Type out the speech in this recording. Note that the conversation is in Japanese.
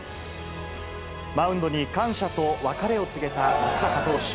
マウンドに感謝と別れを告げた松坂投手。